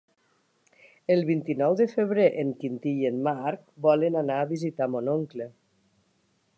El vint-i-nou de febrer en Quintí i en Marc volen anar a visitar mon oncle.